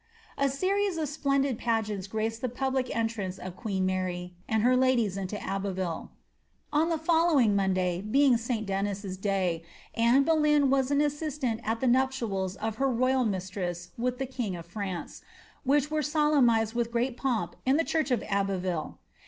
A series of splendid pageants graced the public entrance of q Mary and her ladies into Abbeville. On the following Monday, I Sl Dennis's day, Anne Boleyn was an assistant at the nuptials ol royal mistress with the king of France, which were solemnised great pomp in the church of Abbeville.